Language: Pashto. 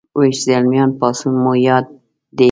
ويښ زلميان پاڅون مو یاد دی